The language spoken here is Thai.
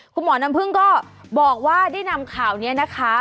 คุณหมอน้ำพึ่งก็บอกว่าได้นำข่าวนี้นะคะ